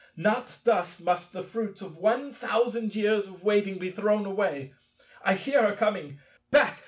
Not thus must the fruits of one thousand years of waiting be thrown away. I hear her coming. Back!